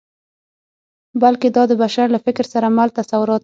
بلکې دا د بشر له فکر سره مل تصورات دي.